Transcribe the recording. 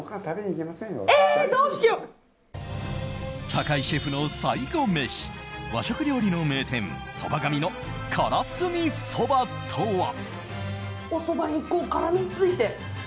坂井シェフの最後メシ和食料理の名店、そばがみのからすみそばとは？